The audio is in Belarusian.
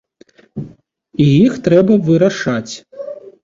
І іх трэба вырашаць.